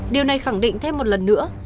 điều này khẳng định thêm một lần nữa